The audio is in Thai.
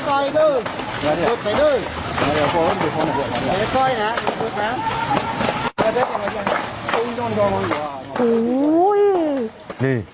โอ้โหนี่